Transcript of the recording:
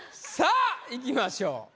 さぁいきましょう。